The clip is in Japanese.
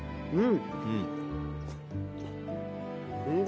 うん。